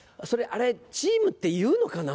あれチームっていうのかな？